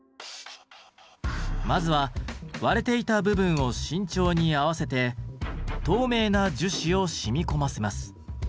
まずは割れていた部分を慎重に合わせて透明な樹脂を染み込ませます。